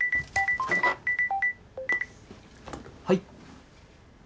はい。